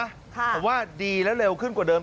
แต่ว่าดีและเร็วขึ้นกว่าเดิม